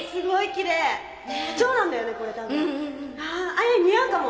亜矢似合うかも